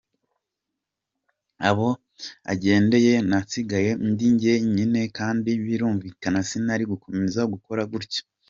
Aho agendeye nasigaye ndi njye nyine kandi birumvikana sinari gukomeza gukora gutyo.